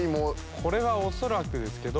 これは恐らくですけど。